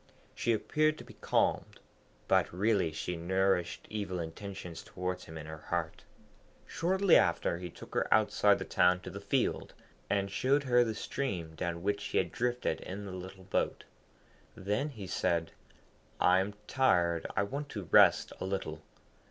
She appeared to be calmed, but really she nourished evil intentions towards him in her heart. Shortly after he took her outside the town to the field, and showed her the stream down which he had drifted in the little boat. Then he said, 'I am tired; I want to rest a little.'